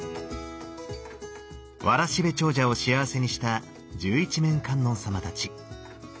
わらしべ長者を幸せにした十一面観音様たち。